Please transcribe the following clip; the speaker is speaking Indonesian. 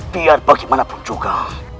biar bagaimanapun juga